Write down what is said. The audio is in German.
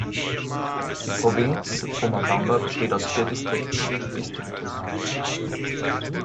Die Provinz Pomabamba besteht aus vier Distrikten ("distritos").